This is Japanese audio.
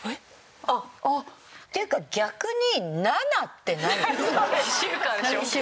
っていうか逆に７って何？